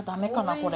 これ？